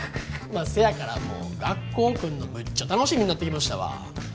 せやからもう学校来るのむっちゃ楽しみになってきましたわ。